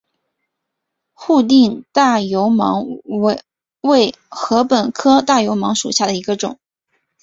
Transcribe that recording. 泸定大油芒为禾本科大油芒属下的一个种。